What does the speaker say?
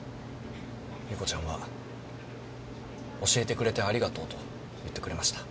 莉子ちゃんは教えてくれてありがとうと言ってくれました。